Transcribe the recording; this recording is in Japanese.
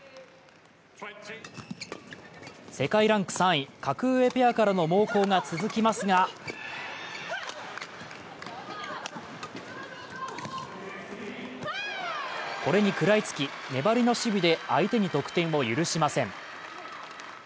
世界ランク３位、格上ペアからの猛攻が続きますがこれに食らいつき、粘りの守備で相手に得点を許しません。